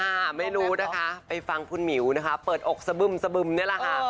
ไม่รู้นะคะไปฟังคุณหมิวนะคะเปิดอกสะบึมสบึมนี่แหละค่ะ